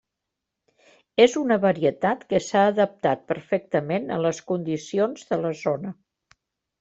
És una varietat que s'ha adaptat perfectament a les condicions de la zona.